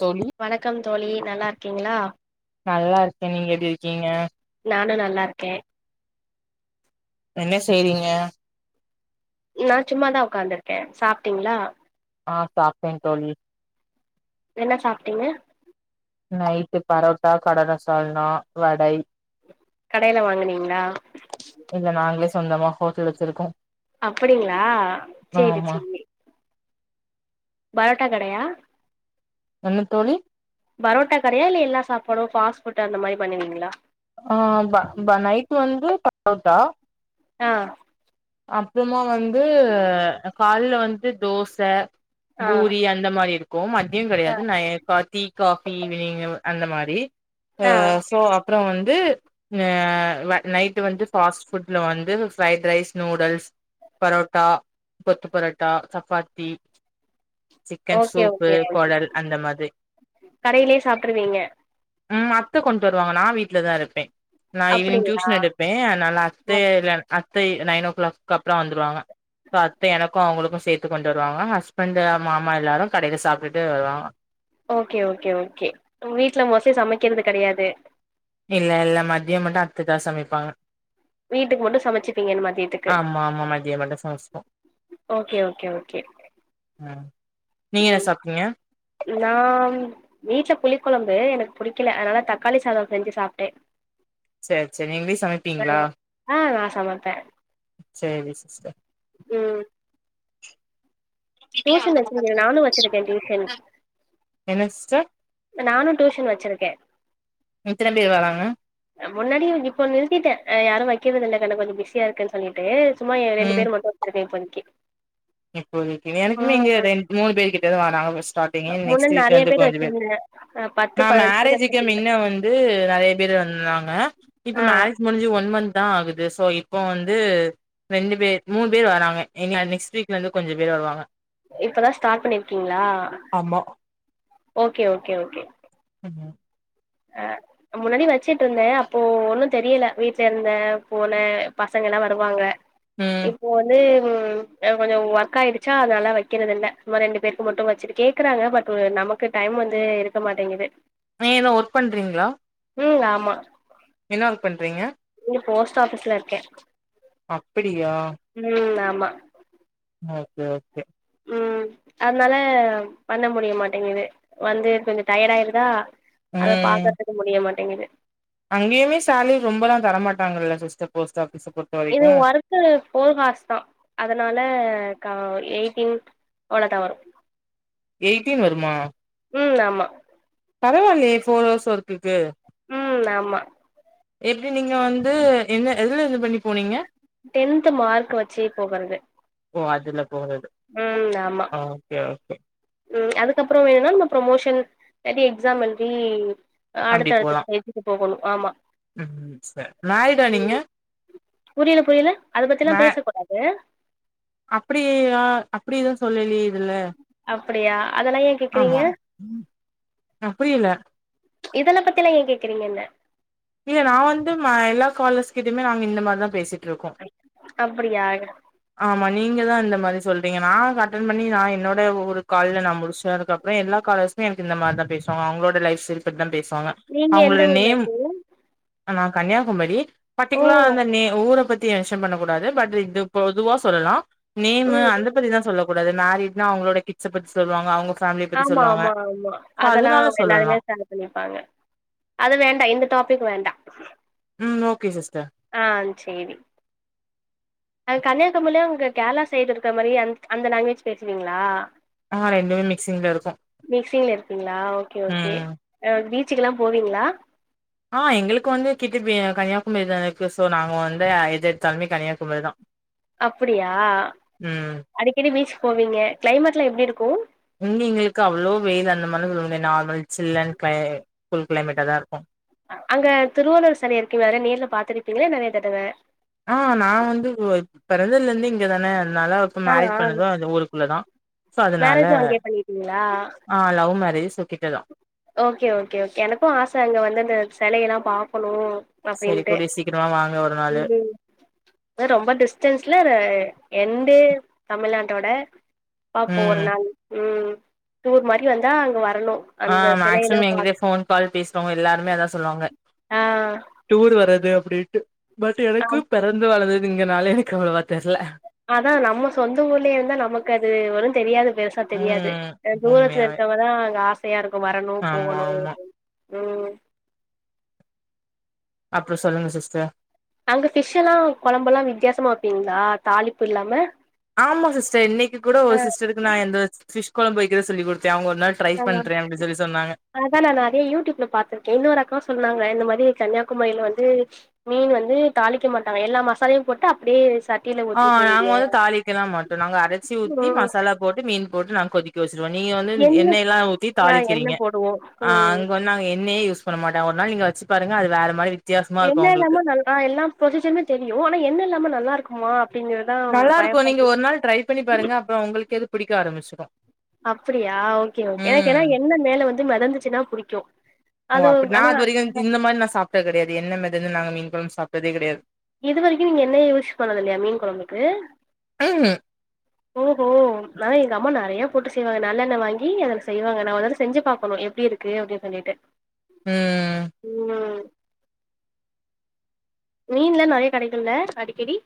தோழி வணக்கம் தோழி நல்லா இருக்கீங்களா நல்லா இருக்கே நீங்க எப்டி இருக்கீங்க நானு நல்லா இருக்கே என்ன செய்றீங்க நா சும்மாதா உக்காந்துருக்கே சாப்ட்டீங்களா ஆ சாப்டேங் தோழி என்ன சாப்ட்டீங்க நைட்டு பரோட்டா கடல சால்னா வடை கடேல வாங்குனீங்களா இல்ல நாங்களே சொந்தமா ஹோட்டல் வச்சிருக்கோ அப்படிங்களா சேரி ஆமா சேரி பரோட்டா கடையா என்ன தோழி பரோட்டா கடையா இல்ல எல்லா சாப்பாடு ஃபாஸ் ஃபுட்டு அந்த மாரி பண்ணுவீங்களா ஆ ப ப நைட்டு வந்து பரோட்டா ஆ அப்றமா வந்து காலைல வந்து தோச ஆ பூரி அந் இந்த மாரி இருக்கு மத்தியோ ஆ கெடையாது நா ஏ கா தீ காபி ஈவினிங் அந்த மாரி அ ஆ சோ அப் அப்பறோ வந்து ஆ நைட்டு வந்து ஃபாஸ்ட் ஃபுட்ல வந்து fried rice noodles parotta kothu parotta chapati chicken okay soup okay okay கொடல் அந்த மாத்ரி கடையிலயே சாப்ட்ருவீங்க ம் அத்த கொண்டு வருவாங்க நா வீட்லதா இருப்பே நா ஈவினிங் அப்படிங்களா டியூஷன் எடுப்பே அதனால அத்தே ம், எல்லாரு அத்தை நைன் ஓ கிளாக்கு அப்பறோ வந்துருவாங்க இப்ப அத்தை எனக்கு அவங்களுக்கு சேத்து கொண்டு வருவாங்க ஹஸ்பண்டு மாமா எல்லாரு கடையில சாப்ட்டுட்டு வருவாங்க ஓகே ஓகே ஓகே வீட்ல மோஸ்ட்லி சமைக்கிறது கெடையாது இல்ல இல்ல மதியம் மட்டு அத்த தா சமைப்பாங்க வீட்டுக்கு மட்டு சமச்சுப்பீங்க இன்னு மத்தியத்துக்கு ஆமா ஆமா மதியம் மட்டு சமைச்சுப்போ ஓகே ஓகே ஓகே அ நீங்க என்ன சாப்ட்டீங்க நான் வீட்ல புளி கொழம்பு எனக்கு புடிக்கல அதனால தக்காளி சாதோ செஞ்சு சாப்டே சேர் சேர் நீங்க போய் சமைப்பீங்களா ஆமா ஆ நா சமைப்பே சேரி சிஸ்டர் ம் டியூஷன் வச்சிருக்கே நானு வச்சிருக்கே டியூஷன் என்ன சிஸ்டர் நான்னு டூஷன் வச்சுருக்கே எத்தன பேர் வராங்க முன்னாடியு இப்ப நிறுத்திட்டே அ யாரு வெக்கிறது இல்ல [unintelligible] நா கொஞ்ச பிஸியா இருக்கேன் சொல்லிட்டு சும்மா இ ரெண்டு பேர் மட்டு [inaudible] இன்னைக்கி இப்போதிக்கி வேலைக்குமே இங்க ரெண் மூணு பேர் கிட்ட தா வாராங்க ஸ்டார்ட் டிங்க முன்னாடி நெக்ஸ்ட்டு வீக் நெறைய வந்து கொஞ்ச பேர் வச்சிருந்தே அ பத்து நா பதினஞ்சு பேர் மேரேஜுக்கு வச்சிருந்தே மின்ன வந் ந்து நெறைய பேரு வந்துருந்தாங்க இப்ப ஆ மேரேஜ் முடிஞ்சு ஒன் மந்த் தா ஆகுது சோ இப்போ வந்து ரெண்டு பேர் மூணு பேர் வராங்க எங்கள நெக்ஸ்ட் வீக் இப்பதா ஸ்டார்ட் பண்ணிருக்கீங்ளா ஆமா ஓகே ஓகே ஓகே என்ன அ முன்னாடி வெச்சுட்ருந்தே அப்போ ஒன்னு தெரியல வீட்டல இருந்தே போனே பசங்கலா வருவாங்க ம் இப்போ வந்து ம் எனக் கொஞ்ச ஒர்க் ஆயிடுச்சா அதனால வெக்கிறதில்ல சும்மா ரெண்டு பேருக்கு மட்டு வச்சுட்டு கேக்குறாங்க பட்டு நமக் கு டைம் வந்து இருக்க மாட்டிங்குது நீங்க எது ஒர்க் பண்றீங்ளா ம் ஆமா என்ன ஒர்க் பண்றீங்க ம் போஸ்ட் ஆஃபீஸ்ல இருக்கே அப்பிடியா ம் ஆமா ஓகே ஓகே அதுனால பண்ண முடிய மாட்டேங்குது வந்து கொஞ்ச டயர்ட் ஆயிருதா அத பாக்கற்த்துக்கு முடிய மாட்டிங்குது அங்கயுமே சாலரி ரொம்பலா தர மாட்டாங்கல்ல சிஸ்டர் போஸ்ட் ஆஃபீஸ பொருத் இது வரன் இது ஃபோர் ஹார்ஸ் தா அதனால கா எயிட்டீன் அவ்ளோதா வரு எயிட்டீன் வருமா ம் ஆமா பரவால்லயே ஃபோர் ஹவர்ஸ் ஒர்க்குக்கு ம் ஆமா எப்டி நீங்க வந்து என்ன எதுலருந்து பண்ணி போனீங்க டென்த்து மார்க்க வச்சி இப்ப வருது ஓ அதுல போறது ம் ஆமா ஓகே ஓகே ம் அதுக்கப்பற வேணுனா நம்ம ப்ரமோஷன் இல்லாட்டி எக்ஸாம் எழுதி ஆ அப்டி அடுத்த போலா எடத்துக் போய்ட்டு போகணு ஆமா ம் சரி மேரிடா நீங்க ம் புரில புரில அத பத்தில்லா மே பேசக் கூடாது அப்டியா அப்டி எது சொல்லலயே இதுல அப்டியா அதெல்லா ஏ கேக்குறீங்க ஆமா அப்டி இல்ல இதெல்லா பத்திலா ஏ கேக்குறீங்க என்ன இல்ல நா வந்து ம எல்லா காலர்ஸ்கிட்டயுமே நாங்க இந்த மாரி தா பேசிட் ருக்கோ அப்படியா ஆமா நீங்க தா அந்த மாரி சொல்றீங்க நா அட்டன் பண்ணி நா என்னோட ஒரு கால்ல நா முடிச்சிதா இருக்க அப்ற எல்லா காலர்ஸுமே எனக்கு இந்த மாரிதா பேசுவாங்க அவ்ங்களோட லைஃப் ஸ்டைல் பத்திதா பேசுவாங்க நீங்க எந்த ஊர்ல இருக்கீங்க ஆ நா கன்னியாகுமரி ஓ பர்ட்டிகுலரா அந்த நே ஊர பத் த்தி மென்ஷன் பண்ணக்கூடாது பட் இது பொதுவா சொல்லலா நேமு ம் அந்த பத்தி ம் தா சொல்லக்கூடாது மேரிட் நா அவ்ங்களோட கிட்ஸ்ச பத்தி சொல்லுவாங்க அவ்ங்க ஆமா ஆமா ஆமா அதெல்லா சொல்லலா எல்லாருமே ஸ்டாங்கு பண்ணிப்பாங்க அது வேண்டா இந்த டாபிக் வேண்டா ம் ஓஎகே சிஸ்டர் ஆ சேரி அ கன்னியாகுமாரிலயு உங்க கேரளா சைடு இருக்கற மாரியே அந் அந்த லேங்க்வேஜ் பேசுவீங்ளா ஆ ரெண்டுமே மிக்சிங்ல இருக்கு மிஸின்ல இருக்கீங்ளா ஓகே ஓகே ம் ஆ பீச்சுக்கெல்லா போவீங்ளா ஆ எங்களுக்கு வந்து கிட்டப்ப கன்னியாகுமாரி தா இருக்கு சோ நாங்க வந்து எது எடுத்தாலுமே கன்னியாகுமாரி தா அப்பிடியா ம் அடிக்கடி பீச் போவீங்க க்ளைமேட்லா எப்டி இருக்கு இங்க எங்ளுக்கு அவ்ளோ வெயில் அந்தமார்லா சொல்ல முடியா நார்மல் சில்லன் க்ளை கூல் கிளைமேட்டதா இருக்கு அங்க திருவள்ளூவர் செல இருக்கு வேற நேர்ல பாத்ருப்பீங்ள நெறய தடவ ஆ நா வந்து பெறந்ததாலெந்தே இங்கதானே அதனால இப்ப ஆ ஆ மேரிட் பண்ணது அது ஊருக்குள்ளதா சோ அதனால மேரேஜு அங்கயே பண்ணிட்டீங்களா ஆ லவ் மேரேஜ் சோ கிட்டதா ஓகே ஓகே ஓகே எனக்கு ஆச அங்க வந்து அந்த செலையெலா பாக்கணு சரி அப்டின்ட்டு கூடிய சீக்கிரமா வாங்க ஒரு நாளு ம் அத ரொம்ப டிஸ்டன்ஸ்ல எண்டு தமிழ்நாட்டோட பாப்போ ஒரு ம் நாள் ம் டூர் மாரி வந்தா அங்க வரணு ஆ அந்த சிலையெல்லா மேக்சிமம் எங்கிட்ட பாக் ஃபோன் கால் பேஸ்னவங்க எல்லாருமே அதா சொல்லுவாங்க ஆ டூர் வரது அப்படின்ட்டு பட் ஆ எனக்கு பெறந் து வளந்ததுங்கனால எனக்கு அவ்ளோவா தெர்ல அதா நம்ம சொந்த ஊர்லியே இருந்தா நமக்கு அது ஒன்னு தெரியாது பெருசா தெரியாது ம் அ தூரத்துல உண்மையாவே இருந்தவதா அங்க ஆசையா இருக்கு வரணு ஆமா போகணு ஆமா ம் அப்றோ சொல்லுங்க சிஸ்டர் அங்க ஃபிஷ் எல்லா கொழம்பெல்லா வித்தியாசமா வெப்பீங்ளா தாலிப்பு இல்லாம ஆமா சிஸ்டர் இன்னைக்கு கூட அ ஒரு சிஸ்டருக்கு நா இந்த ஃபிஷ் கொழம்பு வைக்கிற சொல்லி குடுத்த அவுங்க ஒரு நா ட்ரை அ பண்றே அப்டி சொல்லி சொன்னாங்க அதா நா நறயா யூடியூப்ல பாத்துருக்கே இன்னோரு அக்காவு சொன்னாங்க இந்த மாரி கன்னியாகுமாரில வந்து மீன் வந்து தாலிக்க மாட்டாங்க எல்லா மசாலயு போட்டு அப்டியே சட் ஆ நாங்க வந்து தாளிக்கலா மாட்டோ நாங்க அரைச்சி ஊத்தி ம் மசாலா போட்டு மீன் போட்டு நா கொதிக் க வெச்ருவ நீங்க வந்து எண்ணெ எண்ணெய்லா ஊத்தி ஆ எண்ணெ தாளிக்கிறீங்க போடுவோ ம் அங்க வந் நாங்க எண்ணெயே யூஸ் பண்ண மாட்ட ஒரு நாள் நீங்க வெச்சு பாருங்க அது வேற மாரி வித்தியாசமா இருக்கு எண்ணெ உங்களுக்கு இல்லாம நல்லா எல்லா ப்ரொசீஜர்மே தெரியு ஆனா எண்ணெ இல்லாம நல்லா இருக்குமா அப்டின்னு நல்லாருக்கு நீங்க ஒரு நாள் ட்ரை பண்ணி பாருங்க அப்றோ உங்குளுக்கே அது புடிக்க ஆரம்பிச்சுரு அப்பிடியா ஓகே ஓகே எனக்கு ஏனா எண்ணெ மேல வந்து மெதந்துச்சுன்னா புடிக்கு ஓ அது அப்டி நா ஆனா அது வரிக்கு இந்த மாரி நா சாப்ட்ட கெடயாது எண்ணெ மெதந்து நாங்க மீன் கொழம்பு சாப்ட்டதே கெடயாது இது வரைக்கு நீங்க எண்ணயே யூஸ் பண்ணது இல்லயா மீன் கொழம்புக்கு [inaudible] ஓஹோ நா எங்க அம்மா நெறயா போட்டு செய்வாங்க நல்லெண்ண வாங்கி அதில் செய்வாங்க நா ஒர்தடவ செஞ்சு பாக்கணு எப்டி இருக்கு கு அப்டி சொல்லிட்டு ம் இன்னா மீன்லா நறயா கடைக்குல்ல அடிக்கடி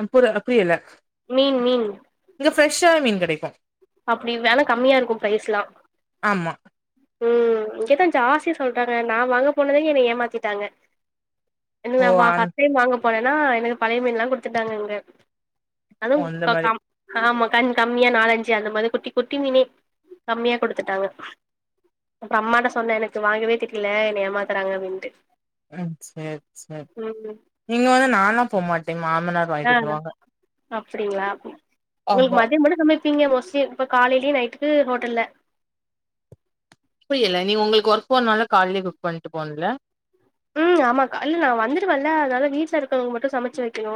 அ புர அ புரியல மீன் மீன் இங்க ஃப்ரெஷ்ஷா மீன் கேடைக்கு அப்டி வெல கம்மியா இருக்கு ப்ரைஸ் லா ஆமா ம் இங்கதா ஜாஸ்த சொல்றாங்க நா வாங்க போனதே என்ன ஏமாத்திட்டாங்க என்ன ஓ என் நா அந் ஃபர்ஸ்ட் டைம் வாங்க போனேன்னா எனக்கு பழைய மீன்லா குடுத்துட்டாங்க இங்க அதுவு ஓ அந்த முக்கா மாரி கம் ஆமா கம் கம்மியா நாலஞ் ச்சி அந்த மாரி குட்டி குட்டி மினி கம்மியா குடுத்துட்டாங்க அப்பறோ அம்மாட்ட சொன்ன எனக்கு வாங்கவே தெரில என்ன ஏமாத்துறாங்க அப்டின்ட்டு ம் சேர் சேர் ம் இங்க வந்து நாலா போமாட்டே மாமனார் ஆ வாங்கிட்டு நா வந்துருவாங்க அப்டிங்களா உங்களுக்கு ஆமா மதியோ மட்டு சம பீங்க மோஸ்ட்லி இப்ப காலைலியு நைட்டுக்கு ஹோட்டல்ல புரியல்ல நீங்க உங்களுக்கு ஒர்க் போறனால காலைலயே குக் பண்ட்டு போணுல்ல ம் ஆமாக்கா இல்ல நா வந்துடுவல்ல அதனால வீட்டுல இருக்கறவங்க மட்டு சமச்சு வெக்கணு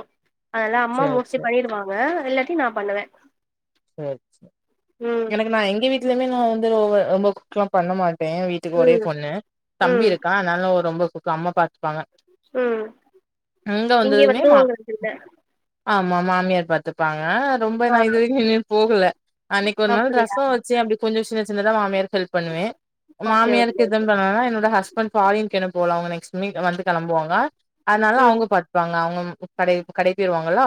அதல்லா அம்மா சேர் மோஸ்ட்லி சேர் பண்ணிடுவாங்க இல்லாட்டி நா பண்ணுவ சேர் சேர் எனக்கு நா எங்க வீட்லயுமே நா வந்து [unintelligible] ரொம்ப குக்லா பண்ண மாட்டே வீ துக்கு ஒரே ம் பொண்ணு தம்பி ம் இருக்கா அதனால [unintelligible] ரொம்ப புக்கு அம்மா பாத்துப்பாங்க ம் இங்க இங்கே வந்ததுமே வந்து மா உங்களுது இல்ல ஆமா மாமியார் பாத்துப்பாங்க ரொம்ப ஆ நா இதுவரைக்கு [inaudible] போகல அன்னைக்கு ஒரு நாள் அப்டியா ரசோ வச்சி அப்படி கொஞ்சோ சின்ன சின்னதா மாமியாருக்கு ஹெல்ப் பண்ணுவே ஓகே ஓகே மாமியாருக்கு [unintelligible] அனா என்னோட ஹஸ்பண்ட் பாரின் [unintelligible] போல அவங்க நெக்ஸ்ட் வீக் வந்து கெளம்புவாங்க அதனால ம் அவுங்க பாத் பாங்க அவுகுங் கடை கடைப்போயிருவாங்கள்ளா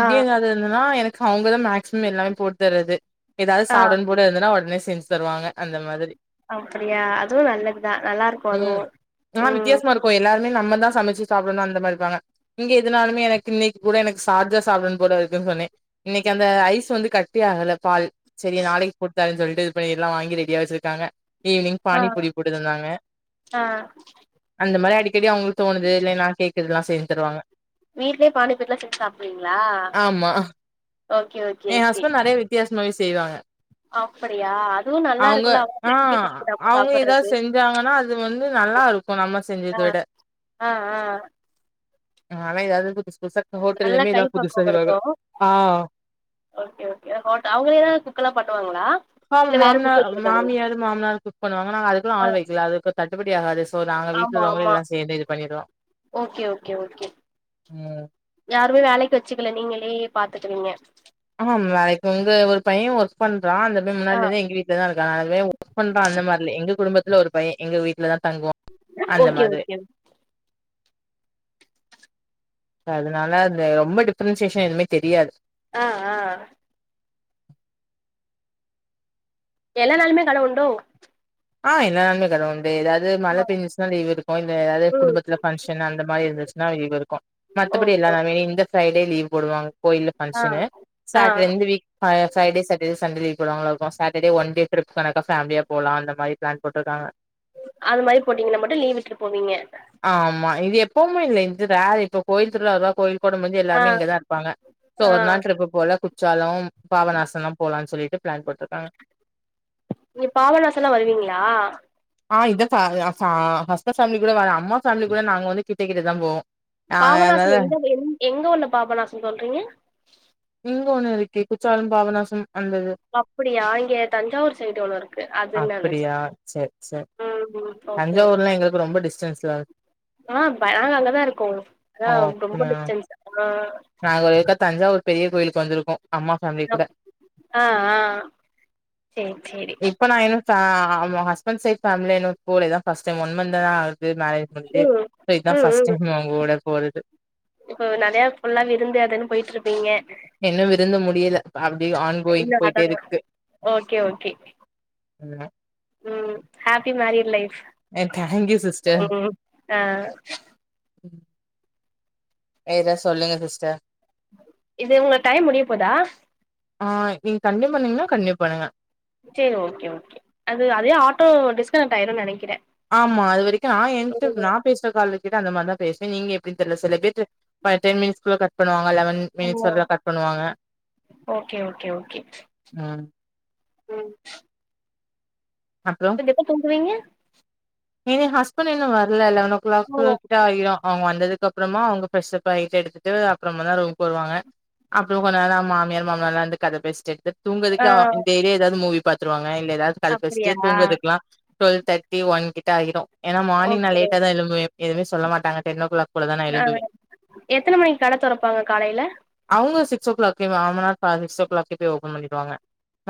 ஆ எதாவது என்னன்னா எனக்கு அவுங்கதா மேக்ஸ் ம் எல்லாமே போட்டுதறது எதாவது ஆ சாப்படனு போட எதுனா ஒடனே செஞ்சு தருவாங்க அந்த மாதிரி அப்படியா அதுவு நல்லதுதா நல்லா இருக்கு அதுவு ம் இப்போ எல்லாருமே நம்மதா சமச்சி சாப்படணு அந்த மாரி இருப்பாங்க இங்க எதுனாலுமே எனக்கு இன்னிக்கு கூட எனக்கு சார்ஜா சாப்படனு போல இருக்குன்னு சொன்னே இன்னைக்கு அந்த ஐஸ் வந்து கட்டி அகல பால் செரி நாளைக்கு போடுத்தர்றன்னு சொல்ட்டு இது பன்னீர்லா வாங்கி ரெடியா வச்சிருக்காங்க ஈவினிங் ஆ பானி பூரி போட்டுதந்தாங்க ஆ அந்த மாரி அடிக்கடி அவுங்களுக்கு தோணுது இல்ல நா கேக்கறதுலா செஞ்சுதருவாங்க வீட்லே பானிப்பூரிலா செஞ்சு சாப்புடுவீங்களா ஆமா ஓகே ஓக் எ ஹஸ்பண்ட் நெறைய வித்தியாசமாவே செய்வாங்க அப்படியா அதுவு நல்லா அவங்க இருக்குல்ல ஆ செஞ்சு குடுத்து நம்ம அவங்க சாப்புட்றது எதாவது செஞ்சாங்கன்னா அது வந்து நல்லா இரு சோ நம்ம செஞ்சத விட அ அ நாலா எதாவது புதுசு புதுசா நல்ல ஹோட்டல்லயுமே கை எதாவ் [unintelligible] பக்குவோ செய்வாங்க இருக்கு ஆ ஓகே ஓகே [unintelligible] அவுங்களே தா குக்கல்லா பண்ணுவாங்களா அம் இல்ல வேற குக் மாமனார் வச்சிருக்காங்களா மாமியாரு மாமனாரு குக் பண்ணுவாங்க நாங்க அதுக்கல்லா ஆ ஆள் வெக்கல அதுக்கு தட்டுப்படி ஆகாது சோ நாங்க வீட்ல ஆமா உள்ளவங்களே ஆமா எல்லா சேந்து இது பண்ணடுவோ ஓகே ஓகே ஓகே ம் யாருமே வேலைக்கு வெச்சிக்கல நீங்களே பாத்துக்குவீங்க ஆமா வேலைக்கு வந்து ஒரு பைய ஒர்க் பண்றா அந்த பை ஆ முன்னாடிலருந்தே எங்க வீட் [unintelligible] ஒர்க் பண்றா அந்த மாரி இல்ல எங்க குடும்பத்துல ஒரு பைய எங்க வீட்ல தா தங்குவா அந்த ஓகே மாதிரி ஓகே ஓ இப்ப அதனால அந்த ரொம்ப டிஃப்ரென்சியேஷன் எதுவுமே தெரியாது ஆ ஆ எல்லா நாலுமே கட உண்டோ ஆ எல்லா நாலுமே கட உண்டு எதாது அது மழ பெஞ்சுச்சுனா லீவ் இருக்கு இல்ல எதாவது ம் குடும்பத்துல ஃபங்க்ஷன் அந்த மாரி இருந்துச்சுன்னா லீ்வ் இருக்கு மத்தபடி ஓகே எல்லா ஓ [unintelligible] இந்த ஃப்ரைடே லீவ் போடுவாங்க கோயில ஆ பங்க்ஷனு ஆ சாட்டர் இந்த week [unintelligible] Friday Saturday Sunday leave போடுவாங்களா இருக்கு சாட்டர்டே ஒன் டே ட்ரிப் கனக்கா ஃபேமிலியா போலா அந்த மாரி ப்ளான் போட்ருக்காங்க அது மாரி போட்டிங்கங்கன்னா மட்டு லீவ் விட்டுட் போவீங்க ஆமா இது எப்பவுமே இல்ல இது வேற இப்ப கோயில் திருவிழா வருதா கோயில் கொடமுஞ்சி ஆ எல்லாமே இங்கதா இருப்பாங்க சோ ஆ ஒரு நாள் ட்ரிப்பு போல குற்றாலோம் பாவநாசல்லா போலானு சொல்லிட்டு பிளான் போட்ருக்காங்க நீங்க பாவநாசோலா வருவீங்களா ஆ இதாஃபா அஃபா ஹஸ்பன்ட் ஃபேமிலி கூட வேணா அம்மா ஃபேமிலி கூட நாங்க வந்து கிட்ட கிட்டதா போவோ பாபநாசம் எந்த எங் எங்க உள்ள பாபநாசம் சொல்றீங்க இங்க ஒண்ணு இருக்கே குற்றாலம் பாபநாசும் அந்த இது அப்புடியா இங்க தஞ்சாவூர் சைடு ஒண்ணு இருக்கு அதூனு நெனச்சே அப்படியா ம் ம் ஓகே ஓகே தஞ்சாவூர்லா எங்குளுக்கு ரொம்ப டிஸ்டன்ஸ்ல ஆ ப நாங்க அங்கதா இருக்கோ ஆ அ ஓகே ரொம்போ டிஸ்டன்ஸ் அ அ நாங்க ஒருக்கா தஞ்சாவூர் பெரிய கோயிலுக்கு வந்திருக்கோ அம்மா ஃபேமிலி கூட ஆ ஆ சேரி சேரி இப்ப நா இன்னு ஃபா ஆமா ஹஸ்பண்ட் சைட் ஃபேமிலிங்க கூட இதா ஃபர்ஸ்ட் டைம் ஒன் மந்த் தான ஆகுது மேரேஜ் முடிஞ்சு ம் தோ இதா ம் ஃபர்ஸ்ட் டைம் அவுங்க கூட போறது இப்போ நறையா ஃபுல்லா விருந்து அதுன்னு போயிட்டு இருப்பீங்க என்னு விருந்து முடியல அப்டி ஆன் கோயிங் இல்ல போயிட்டே அதா இருக்கு ஓகே ஓகே ம் ம் ஹாப்பி மேரிட் லைஃப் ஏ தேங்க் யூ சிஸ்டர் ம் ஆ வேற சொல்லுங்க சிஸ்டர் இது உங்க டைம் முடிய போதா ஆ நீங்க கன்ட்னியூ பண்ணீங்கன்னா கன்ட்னியூ பண்ணுங்க செரி ஓகே ஓகே அது அதே ஆட்டோ டிஸ்கனெக்ட் ஆயிரோனு நெனைக்கிறே ஆமா அது வரிக்கோ நா என்ட ம் நா பேசுன காலர் கிட்ட அந்த மாரிதா பேசுனே நீங்க எப்டீனு தெர்ல செலபேர்ட்ட பாரு டென் மினிட்ஸ்குள்ள கட் பண்ணுவாங்க லவன் மினிட்ஸ் ஓ வரல கட் பண்ணுவாங்க ஓகே ஓகே ஓகே ம் ம் அப்றோ எப்ப தூங்குவீங்க ஏ ஹஸ்பண்ட் இன்னு வர்ல லெவன் ஓ க்ளாக்கு கிட்ட ஆயிரோ அவுங்க வந்ததுக்கப் அப்றமா அவுங்க ஃப்ரெஷப் ஆயிட்டு எடுத்துட்டு அப்றமாதா ரூம்க்கு வருவாங்க அப்றோ கொஞ்சோ நேரம் மாமியார் மாமனார்லா இருந்து கத பேசிட்டு எடுத்துட் தூங்கறதுக்கே ஆ டெய்லி எதாது மூவி பாத்ருவாங்க இல்ல எதாது கத அப்டியா பேசிட்டு தூங்கறதுக்குலா ட்வெல் தர்ட்டி ஒன் கிட்ட ஆயிரோ ஏன்னா மானிங் நா ஓகே லேட்டா தா எழும்புவே எதுவுமே சொல்ல மாட்டாங்க டென் ஓ க்ளாக் போலதா நா ஆ எழும்புவே எத்தன மணிக்கு கட தொறப்பாங்க காலைல அவுங்க சிக்ஸ் ஓ க்ளாக்கே மாமனார் சிக்ஸ் ஓ க்ளாக்கே போய் ஓப்பன் பண்ணிடுவாங்க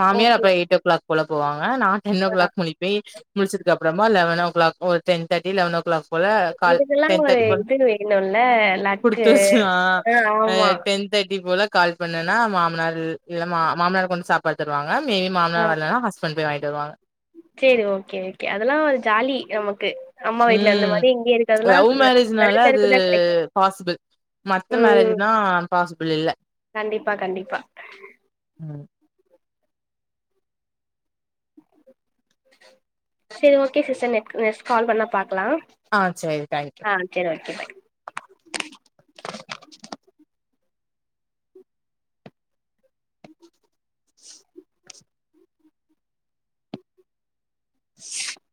மாமியார் ஓகே அப்றோ எய்ட் ஓ க்ளாக் போல போவாங்க நா டென் ஓ ஆ க்ளாக் முளிப்பே முளிச்சதுக்கு அப்பறமா eleven o'clock ten தேட்டி லெவனோ க்ளாக் போல கால் இதுக்கெல்லா டென் ஒரு தேட்டி போல இது வேணுல்ல லக்கு குடுத்து வெச்சு ஆ டென் தேட்டி போல கால் பண்ணுனா மாமனார் இல் இல்ல மாமனார் கொஞ்ச சா பாதி தருவாங்க மீதி மாமனார் வரலனா ஹஸ்பண்ட் பேய் வாங்கிட்டு வருவாங்க செரி ஓகே ஓகே அதெல்லா ஒரு ஜாலி நமக்கு அம்மா வீட்ல இருந்த ம் மாரி இங்கயே இருக்கறதெல்லா லவ் நெறைய மேரேஜ்னால அது பேருக்கு தா கெடைக்கு பாசிபிள் மத்த ம் மேரேஜ்னா பாசிபிள் இல்ல கண்டிப்பா கண்டிப்பா ம் செரி okay sister neck next call பண்ணா பாக்கலா ஆ செரி தேங்க் யூ ஆ சரி ஓக்கே பாய் [inaudible] [inaudible]